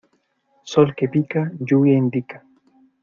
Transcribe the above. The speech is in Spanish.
Sol que pica, lluvia indica.